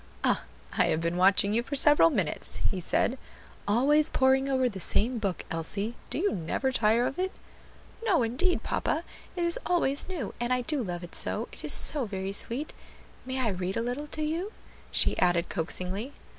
"Ah! I have been watching you for several minutes," he said; "always poring over the same book, Elsie; do you never tire of it?" "No, indeed, papa; it is always new, and I do love it so; it is so very sweet. May I read a little to you?" she added coaxingly.